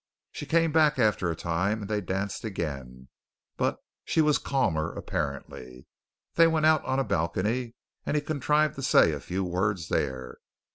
She came back after a time and they danced again, but she was calmer apparently. They went out on a balcony, and he contrived to say a few words there.